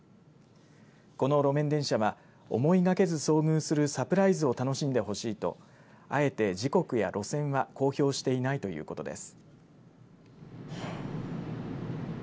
この路面電車は思いがけず遭遇するサプライズを楽しんでほしいとあえて時刻や路線は公表していないということです。